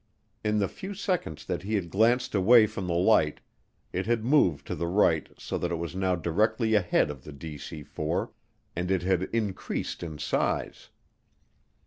In the few seconds that he had glanced away from the light, it had moved to the right so that it was now directly ahead of the DC 4, and it had increased in size.